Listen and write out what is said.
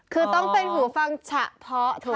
คือต้องเป็นหูฟังเฉพาะเท่านั้น